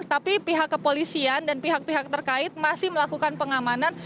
tapi pihak kepolisian dan pihak pihak terkait masih melakukan pengamanan